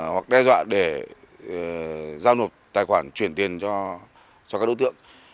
hoặc đe dọa để giao nộp tài khoản chuyển tiền cho các đối tượng